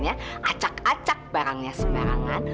acak acak barangnya sembarangan